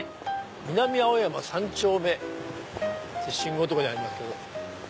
「南青山三丁目」って信号のとこにありますけど。